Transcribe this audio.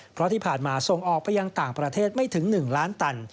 เพราะที่ผ่านมาส่งออกไปยังต่างประเทศไม่ถึง๑ล้านตัน